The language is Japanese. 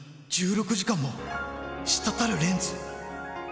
１６時間も滴るレンズ。